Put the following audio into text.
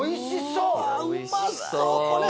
うわうまそうこれ。